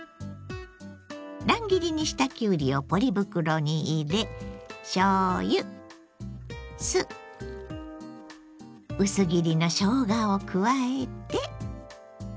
乱切りにしたきゅうりをポリ袋に入れしょうゆ酢薄切りのしょうがを加えて。